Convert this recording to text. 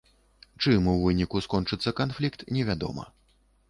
Чым у выніку скончыцца канфлікт, невядома.